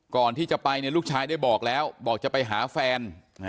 ก่อนที่จะไปลูกชายได้บอกแล้วบอกจะไปหาแฟน